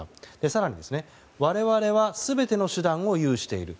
更に我々は全ての手段を有している。